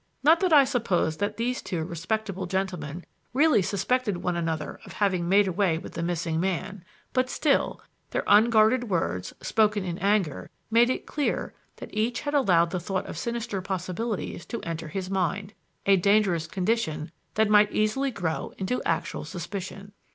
Not that I supposed that these two respectable gentlemen really suspected one another of having made away with the missing man; but still, their unguarded words, spoken in anger, made it clear that each had allowed the thought of sinister possibilities to enter his mind a dangerous condition that might easily grow into actual suspicion.